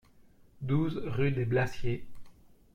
douze rue des Blassiers